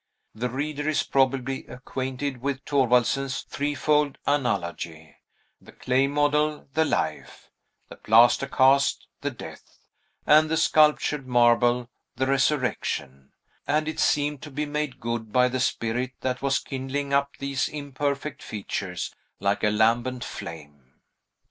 The reader is probably acquainted with Thorwaldsen's three fold analogy, the clay model, the Life; the plaster cast, the Death; and the sculptured marble, the Resurrection, and it seemed to be made good by the spirit that was kindling up these imperfect features, like a lambent flame.